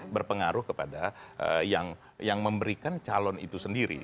berpengaruh kepada yang memberikan calon itu sendiri